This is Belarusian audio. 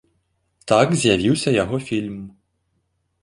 Так з'явіўся яго фільм.